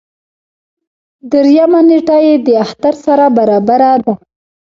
دريیمه نېټه یې د اختر سره برابره ده.